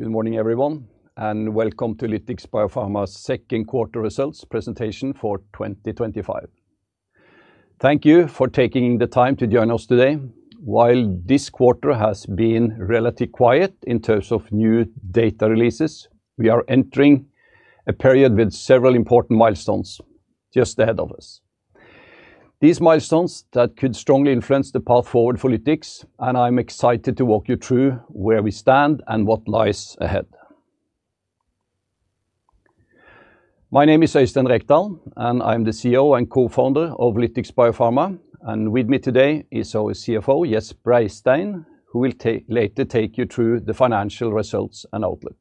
Good morning, everyone, and welcome to Lytix Biopharma's Second Quarter Results Presentation For 2025. Thank you for taking the time to join us today. While this quarter has been relatively quiet in terms of new data releases, we are entering a period with several important milestones just ahead of us. These milestones could strongly influence the path forward for Lytix, and I'm excited to walk you through where we stand and what lies ahead. My name is Øystein Rekdal, and I'm the CEO and co-founder of Lytix Biopharma, and with me today is our CFO, Gjest Breistein, who will later take you through the financial results and outlook.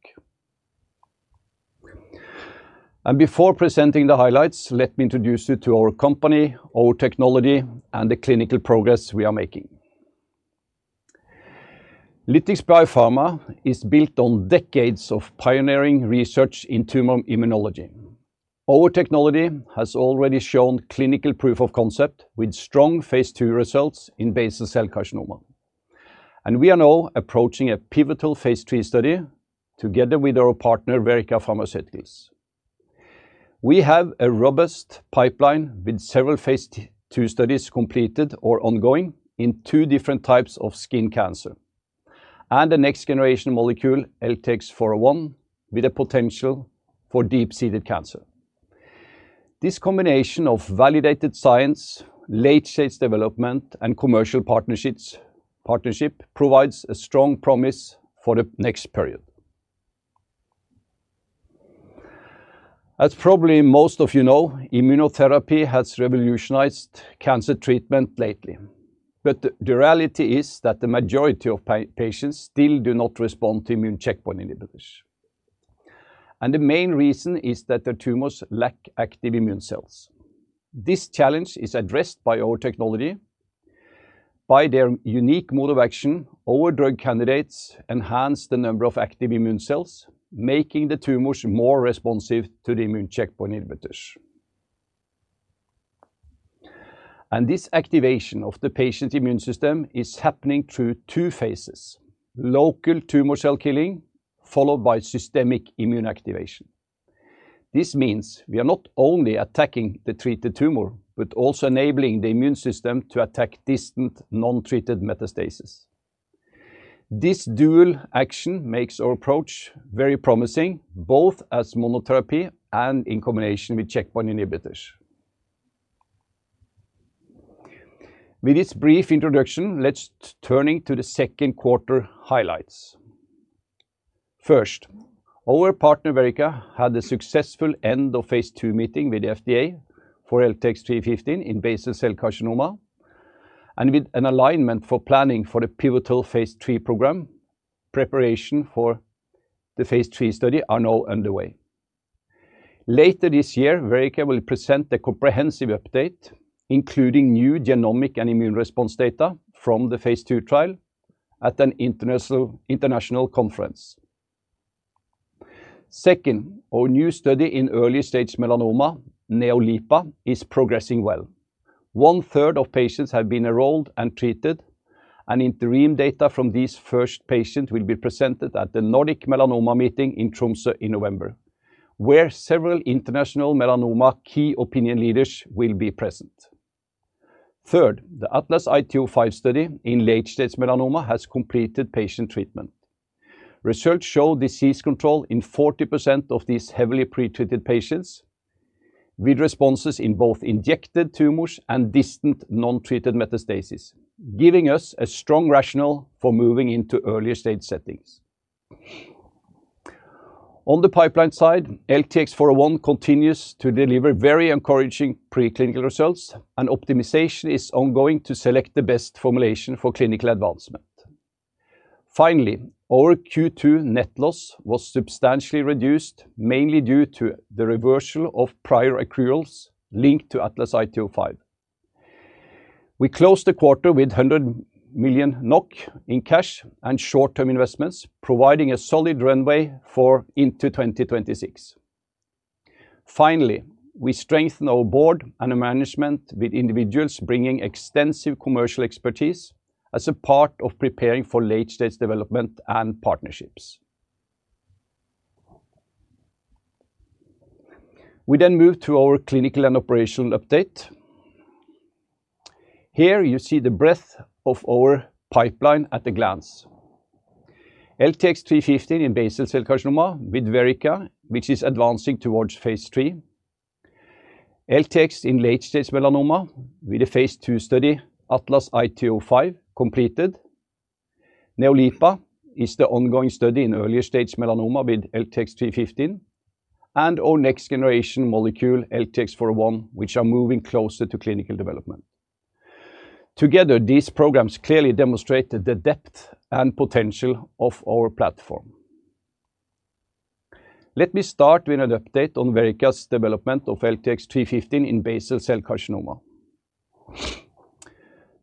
Before presenting the highlights, let me introduce you to our company, our technology, and the clinical progress we are making. Lytix Biopharma is built on decades of pioneering research in tumor immunology. Our technology has already shown clinical proof of concept with strong phase II results in basal cell carcinoma. We are now approaching a pivotal phase III study together with our partner, Verrica Pharmaceuticals. We have a robust pipeline with several phase II studies completed or ongoing in two different types of skin cancer, and the next generation molecule LTX-401 with a potential for deep-seated cancer. This combination of validated science, late-stage development, and commercial partnership provides a strong promise for the next period. As probably most of you know, immunotherapy has revolutionized cancer treatment lately, but the reality is that the majority of patients still do not respond to immune checkpoint inhibitors. The main reason is that the tumors lack active immune cells. This challenge is addressed by our technology. By their unique mode of action, our drug candidates enhance the number of active immune cells, making the tumors more responsive to the immune checkpoint inhibitors. This activation of the patient's immune system is happening through two phases: local tumor cell killing, followed by systemic immune activation. This means we are not only attacking the treated tumor, but also enabling the immune system to attack distant non-treated metastases. This dual action makes our approach very promising, both as monotherapy and in combination with checkpoint inhibitors. With this brief introduction, let's turn to the second quarter highlights. First, our partner Verrica had a successful end-of-phase II meeting with the FDA for LTX-315 in basal cell carcinoma, and with an alignment for planning for the pivotal phase III program, preparation for the phase III study are now underway. Later this year, Verrica will present a comprehensive update, including new genomic and immune response data from the phase II trial at an international conference. Second, our new study in early-stage melanoma, NeoLIPA, is progressing well. One-third of patients have been enrolled and treated, and interim data from these first patients will be presented at the Nordic Melanoma Meeting in Tromsø in November, where several international melanoma key opinion leaders will be present. Third, the ATLAS-IT-05 study in late-stage melanoma has completed patient treatment. Research shows disease control in 40% of these heavily pretreated patients, with responses in both injected tumors and distant non-treated metastases, giving us a strong rationale for moving into early-stage settings. On the pipeline side, LTX-401 continues to deliver very encouraging preclinical results, and optimization is ongoing to select the best formulation for clinical advancement. Finally, our Q2 net loss was substantially reduced, mainly due to the reversal of prior accruals linked to ATLAS-IT-05. We closed the quarter with 100 million NOK in cash and short-term investments, providing a solid runway into 2026. Finally, we strengthen our board and management, with individuals bringing extensive commercial expertise as a part of preparing for late-stage development and partnerships. We then move to our clinical and operational update. Here you see the breadth of our pipeline at a glance. LTX-315 in basal cell carcinoma with Verrica, which is advancing towards phase III. LTX-315 in late-stage melanoma with a phase II study, ATLAS-IT-05 completed. NeoLIPA is the ongoing study in earlier-stage melanoma with LTX-315, and our next generation molecule, LTX-401, which are moving closer to clinical development. Together, these programs clearly demonstrate the depth and potential of our platform. Let me start with an update on Verrica's development of LTX-315 in basal cell carcinoma.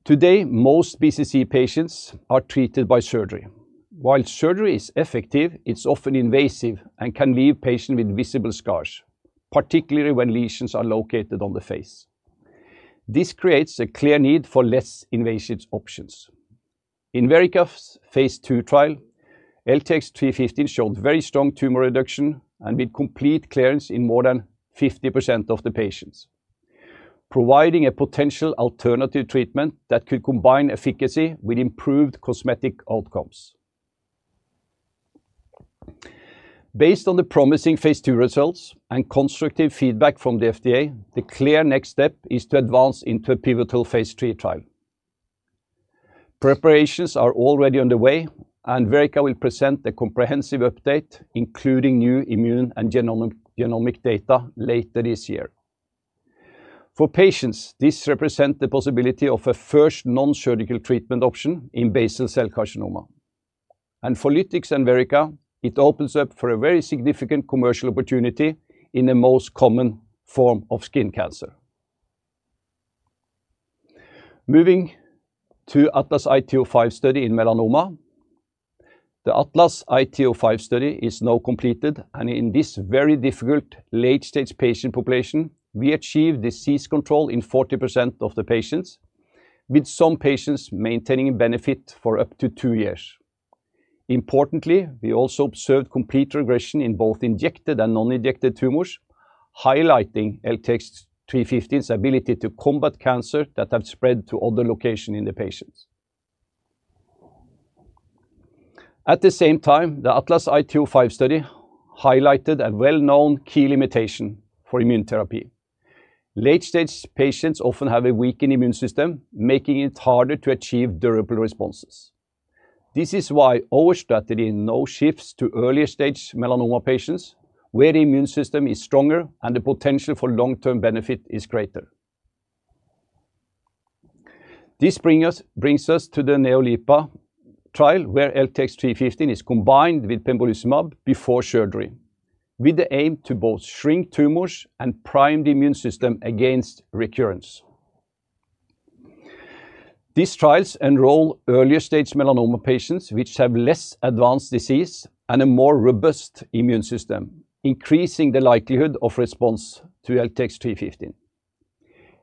Today, most BCC patients are treated by surgery. While surgery is effective, it's often invasive and can leave patients with visible scars, particularly when lesions are located on the face. This creates a clear need for less invasive options. In Verrica's phase II trial, LTX-315 showed very strong tumor reduction and with complete clearance in more than 50% of the patients, providing a potential alternative treatment that could combine efficacy with improved cosmetic outcomes. Based on the promising phase II results and constructive feedback from the FDA, the clear next step is to advance into a pivotal phase III trial. Preparations are already underway, and Verrica will present a comprehensive update, including new immune and genomic data, later this year. For patients, this represents the possibility of a first non-surgical treatment option in basal cell carcinoma. For Lytix and Verrica, it opens up for a very significant commercial opportunity in the most common form of skin cancer. Moving to the ATLAS-IT-05 study in melanoma, the ATLAS-IT-05 study is now completed, and in this very difficult late-stage patient population, we achieved disease control in 40% of the patients, with some patients maintaining benefit for up to two years. Importantly, we also observed complete regression in both injected and non-injected tumors, highlighting LTX-315's ability to combat cancer that has spread to other locations in the patients. At the same time, the ATLAS-IT-05 study highlighted a well-known key limitation for immune therapy. Late-stage patients often have a weakened immune system, making it harder to achieve durable responses. This is why our strategy now shifts to earlier-stage melanoma patients, where the immune system is stronger and the potential for long-term benefit is greater. This brings us to the NeoLIPA trial, where LTX-315 is combined with pembrolizumab before surgery, with the aim to both shrink tumors and prime the immune system against recurrence. These trials enroll earlier-stage melanoma patients, which have less advanced disease and a more robust immune system, increasing the likelihood of response to LTX-315.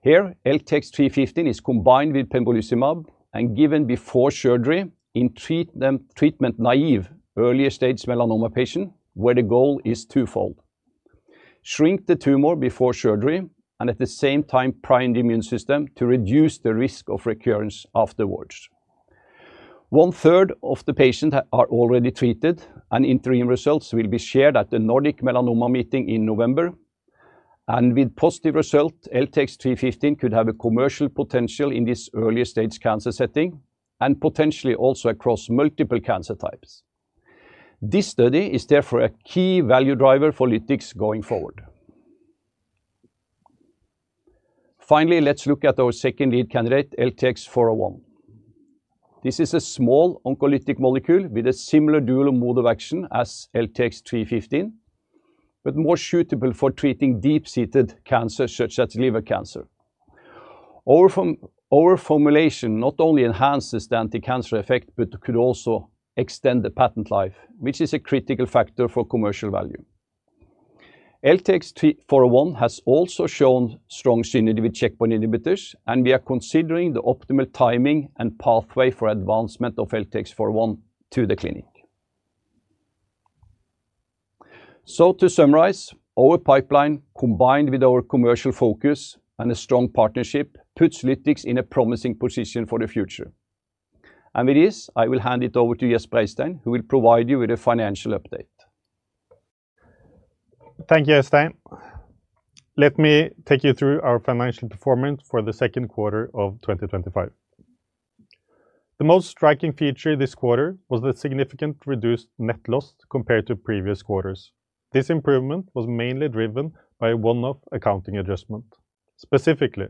Here, LTX-315 is combined with pembrolizumab and given before surgery in treatment-naïve earlier-stage melanoma patients, where the goal is twofold: shrink the tumor before surgery and at the same time prime the immune system to reduce the risk of recurrence afterwards. One-third of the patients are already treated, and interim results will be shared at the Nordic Melanoma Meeting in November. With positive results, LTX-315 could have a commercial potential in this earlier-stage cancer setting and potentially also across multiple cancer types. This study is therefore a key value driver for Lytix going forward. Finally, let's look at our second lead candidate, LTX-401. This is a small oncolytic molecule with a similar dual mode of action as LTX-315, but more suitable for treating deep-seated cancer such as liver cancer. Our formulation not only enhances the anti-cancer effect, but could also extend the patent life, which is a critical factor for commercial value. LTX-401 has also shown strong synergy with checkpoint inhibitors, and we are considering the optimal timing and pathway for advancement of LTX-401 to the clinic. To summarize, our pipeline, combined with our commercial focus and a strong partnership, puts Lytix in a promising position for the future. With this, I will hand it over to Gjest Breistein, who will provide you with a financial update. Thank you, Øystein. Let me take you through our financial performance for the second quarter of 2025. The most striking feature this quarter was the significantly reduced net loss compared to previous quarters. This improvement was mainly driven by a one-off accounting adjustment. Specifically,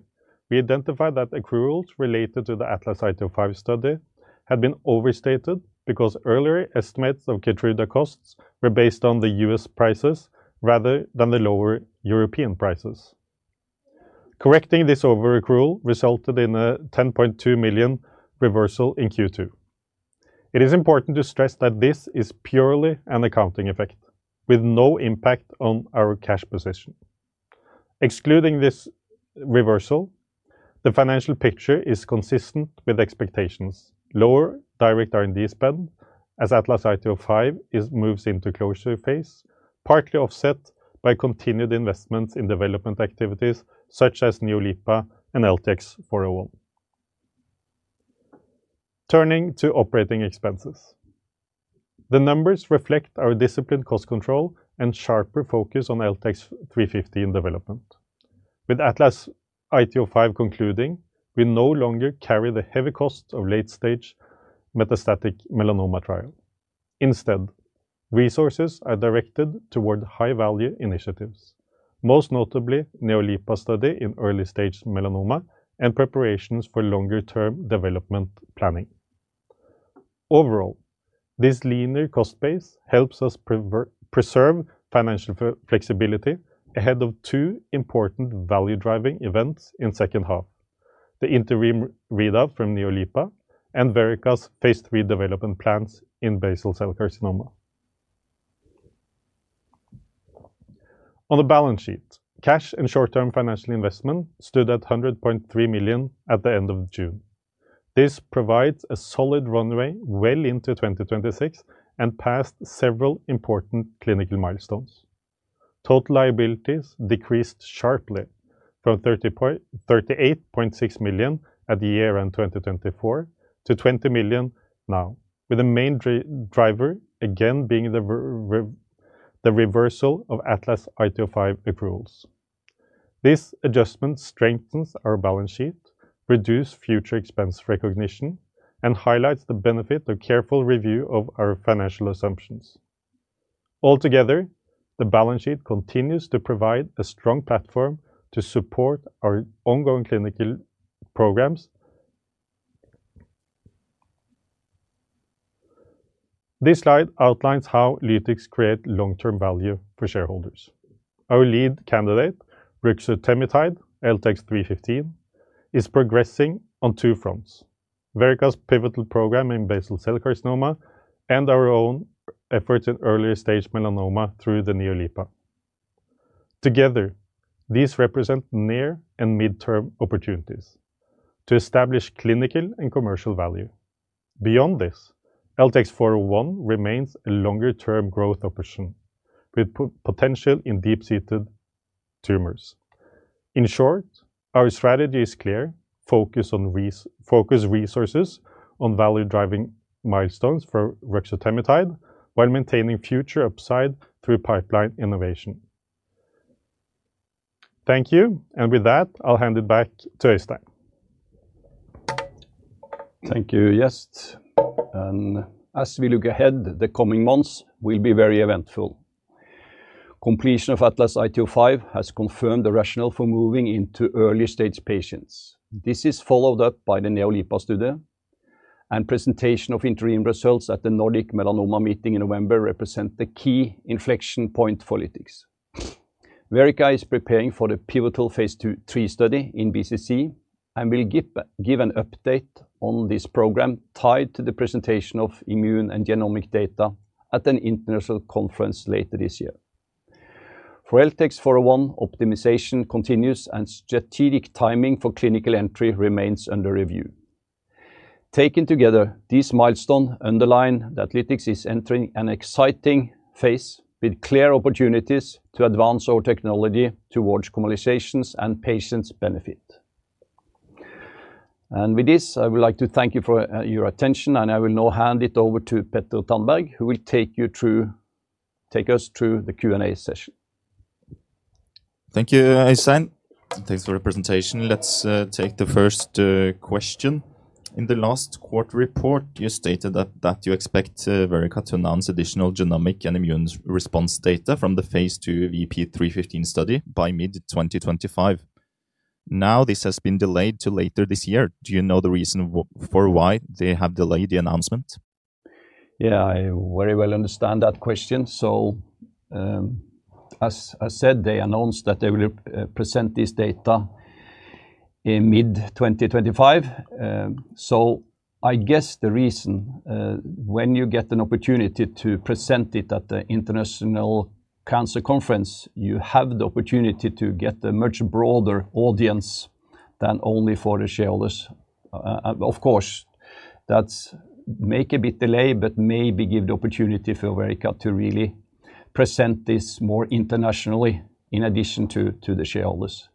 we identified that accruals related to the ATLAS-IT-05 study had been overstated because earlier estimates of catheter costs were based on the U.S. prices rather than the lower European prices. Correcting this over accrual resulted in a 10.2 million reversal in Q2. It is important to stress that this is purely an accounting effect, with no impact on our cash position. Excluding this reversal, the financial picture is consistent with expectations: lower direct R&D spend as ATLAS-IT-05 moves into closure phase, partly offset by continued investments in development activities such as NeoLIPA and LTX-401. Turning to operating expenses, the numbers reflect our disciplined cost control and sharper focus on LTX-315 development. With ATLAS-IT-05 concluding, we no longer carry the heavy costs of late-stage metastatic melanoma trial. Instead, resources are directed toward high-value initiatives, most notably the NeoLIPA study in early-stage melanoma and preparations for longer-term development planning. Overall, this linear cost base helps us preserve financial flexibility ahead of two important value-driving events in the second half: the interim readout from NeoLIPA and Verrica's phase III development plans in basal cell carcinoma. On the balance sheet, cash and short-term financial investment stood at 100.3 million at the end of June. This provides a solid runway well into 2026 and past several important clinical milestones. Total liabilities decreased sharply from 38.6 million at the year-end 2024 to 20 million now, with the main driver again being the reversal of ATLAS-IT-05 accruals. This adjustment strengthens our balance sheet, reduces future expense recognition, and highlights the benefit of careful review of our financial assumptions. Altogether, the balance sheet continues to provide a strong platform to support our ongoing clinical programs. This slide outlines how Lytix Biopharma creates long-term value for shareholders. Our lead candidate, Ruxur Temitide LTX-315, is progressing on two fronts: Verrica Pharmaceuticals' pivotal program in basal cell carcinoma (BCC) and our own efforts in earlier-stage melanoma through the NeoLIPA. Together, these represent near and mid-term opportunities to establish clinical and commercial value. Beyond this, LTX-401 remains a longer-term growth opportunity with potential in deep-seated tumors. In short, our strategy is clear: focus resources on value-driving milestones for Ruxur Temitide while maintaining future upside through pipeline innovation. Thank you, and with that, I'll hand it back to Øystein. Thank you, guests. As we look ahead, the coming months will be very eventful. Completion of ATLAS-IT-05 has confirmed the rationale for moving into early-stage patients. This is followed up by the NeoLIPA study, and the presentation of interim results at the Nordic Melanoma Meeting in November represents the key inflection point for Lytix. Verrica is preparing for the pivotal phase III study in basal cell carcinoma (BCC) and will give an update on this program tied to the presentation of immune and genomic data at an international conference later this year. For LTX-401, optimization continues, and strategic timing for clinical entry remains under review. Taken together, these milestones underline that Lytix is entering an exciting phase with clear opportunities to advance our technology towards communications and patients' benefit. With this, I would like to thank you for your attention, and I will now hand it over to Petter Tannberg, who will take us through the Q&A session. Thank you, Øystein. Thanks for the presentation. Let's take the first question. In the last quarter report, you stated that you expect Verrica to announce additional genomic and immune response data from the phase II VP-315 study by mid-2025. Now, this has been delayed to later this year. Do you know the reason for why they have delayed the announcement? Yeah, I very well understand that question. As I said, they announced that they will present these data in mid-2025. I guess the reason, when you get an opportunity to present it at the International Cancer Conference, you have the opportunity to get a much broader audience than only for the shareholders. Of course, that may be a bit delayed, but maybe give the opportunity for Verrica to really present this more internationally in addition to the shareholders.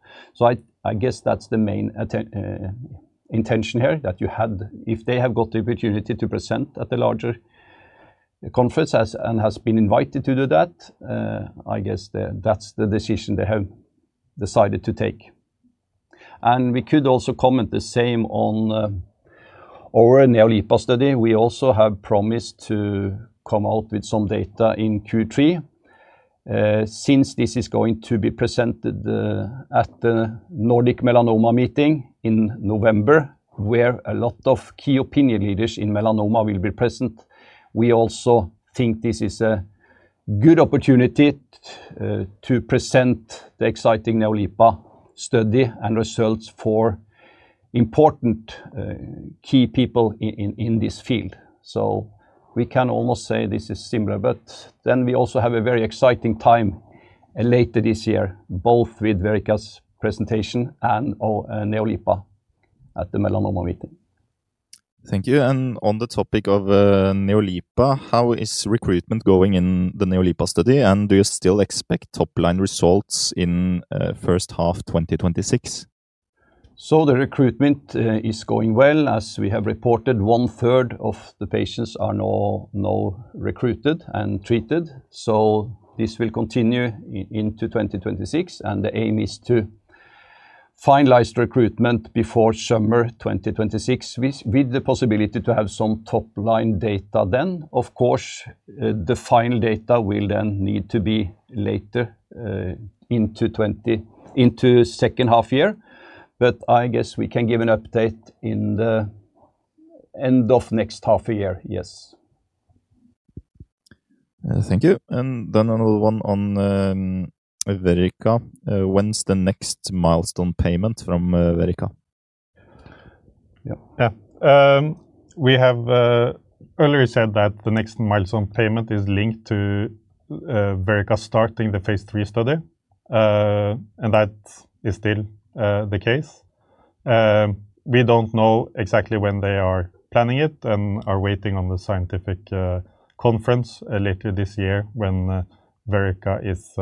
I guess that's the main intention here that you had. If they have got the opportunity to present at the larger conference and have been invited to do that, I guess that's the decision they have decided to take. We could also comment the same on our NeoLIPA study. We also have promised to come out with some data in Q3. Since this is going to be presented at the Nordic Melanoma Meeting in November, where a lot of key opinion leaders in melanoma will be present, we also think this is a good opportunity to present the exciting NeoLIPA study and results for important key people in this field. We can almost say this is similar, but then we also have a very exciting time later this year, both with Verrica's presentation and NeoLIPA at the Melanoma Meeting. Thank you. On the topic of NeoLIPA, how is recruitment going in the NeoLIPA study, and do you still expect top-line results in the first half of 2026? The recruitment is going well. As we have reported, one-third of the patients are now recruited and treated. This will continue into 2026, and the aim is to finalize recruitment before summer 2026, with the possibility to have some top-line data then. Of course, the final data will then need to be later into the second half year, but I guess we can give an update in the end of next half a year, yes. Thank you. Another one on Verrica. When's the next milestone payment from Verrica? Yeah. We have earlier said that the next milestone payment is linked to Verrica starting the phase III study, and that is still the case. We don't know exactly when they are planning it and are waiting on the scientific conference later this year when Verrica is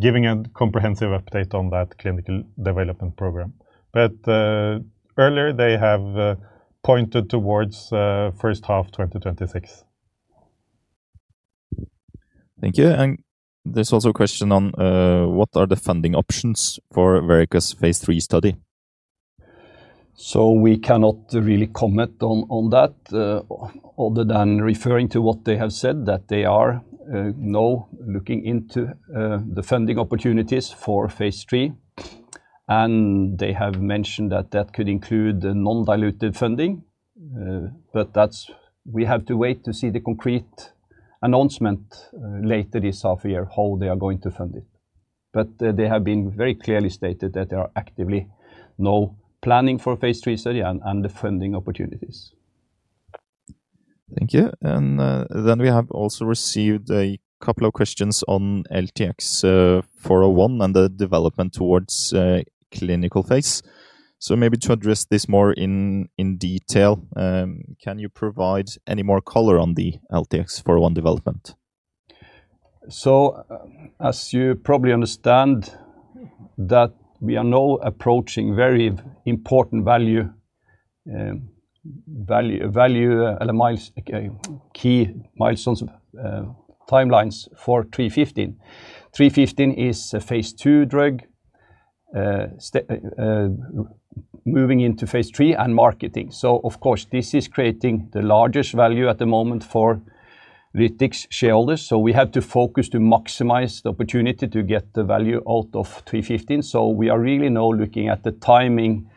giving a comprehensive update on that clinical development program. Earlier, they have pointed towards the first half of 2026. Thank you. There's also a question on what are the funding options for Verrica's phase III study? We cannot really comment on that other than referring to what they have said, that they are now looking into the funding opportunities for phase III, and they have mentioned that that could include the non-diluted funding. We have to wait to see the concrete announcement later this half a year how they are going to fund it. They have been very clearly stated that they are actively now planning for phase III study and the funding opportunities. Thank you. We have also received a couple of questions on LTX-401 and the development towards the clinical phase. To address this more in detail, can you provide any more color on the LTX-401 development? As you probably understand, we are now approaching very important value key milestones and timelines for LTX-315. LTX-315 is a phase II drug moving into phase III and marketing. This is creating the largest value at the moment for Lytix Biopharma shareholders. We have to focus to maximize the opportunity to get the value out of LTX-315. We are really now looking at the timing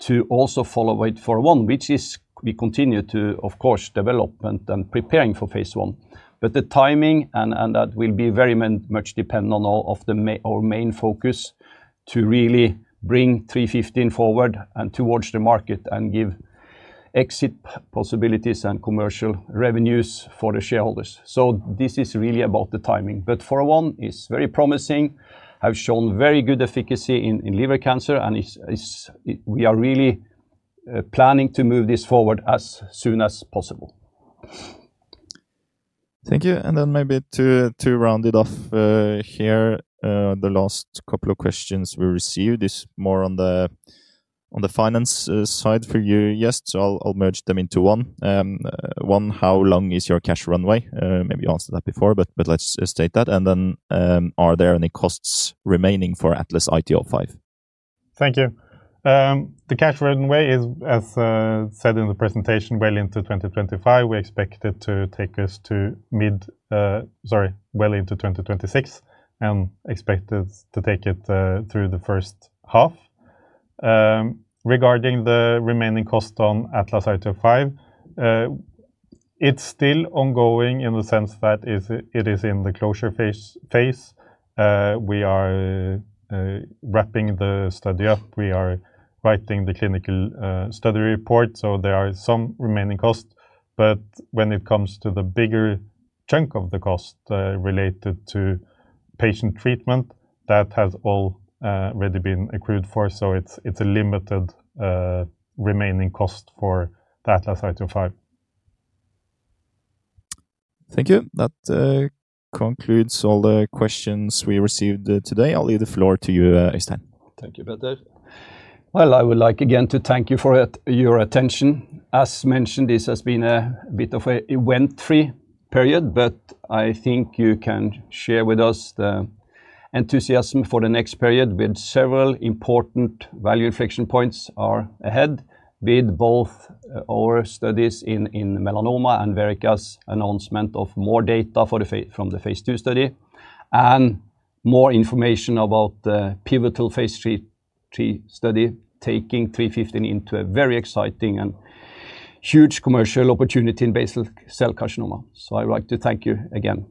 to also follow with LTX-401, which is we continue to, of course, develop and prepare for phase I. The timing will be very much dependent on our main focus to really bring LTX-315 forward and towards the market and give exit possibilities and commercial revenues for the shareholders. This is really about the timing. LTX-401 is very promising, has shown very good efficacy in liver cancer, and we are really planning to move this forward as soon as possible. Thank you. Maybe to round it off here, the last couple of questions we received, this is more on the finance side for you, Gjest. I'll merge them into one. One, how long is your cash runway? Maybe you answered that before, but let's state that. Are there any costs remaining for ATLAS-IT-05? Thank you. The cash runway is, as said in the presentation, well into 2025. We expect it to take us to mid, sorry, well into 2026 and expect it to take it through the first half. Regarding the remaining cost on ATLAS-IT-05, it's still ongoing in the sense that it is in the closure phase. We are wrapping the study up. We are writing the clinical study report. There are some remaining costs. When it comes to the bigger chunk of the cost related to patient treatment, that has already been accrued for. It's a limited remaining cost for the ATLAS-IT-05. Thank you. That concludes all the questions we received today. I'll leave the floor to you, Øystein. Thank you, Petter. I would like again to thank you for your attention. As mentioned, this has been a bit of an event-free period, but I think you can share with us the enthusiasm for the next period with several important value reflection points ahead, with both our studies in melanoma and Verrica's announcement of more data from the phase II study and more information about the pivotal phase III study, taking LTX-315 into a very exciting and huge commercial opportunity in basal cell carcinoma. I'd like to thank you again.